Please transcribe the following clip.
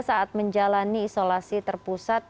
saat menjalani isolasi terpusat